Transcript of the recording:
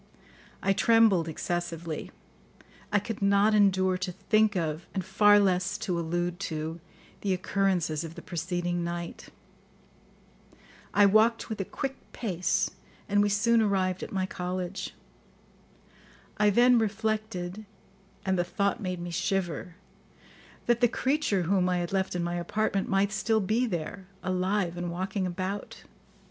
I trembled excessively; I could not endure to think of, and far less to allude to, the occurrences of the preceding night. I walked with a quick pace, and we soon arrived at my college. I then reflected, and the thought made me shiver, that the creature whom I had left in my apartment might still be there, alive and walking about.